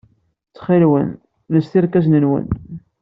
Ttxil-wen, lset irkasen-nwen.